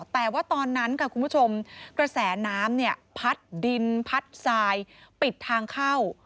แต่ว่าตอนนั้นกับคุณผู้ชมกระแสน้ำผัดดินผัดซายปิดทางเข้า